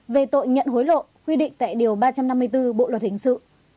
về tội nhận hối lộ quy định tại điều ba trăm năm mươi bốn bộ luật hình sự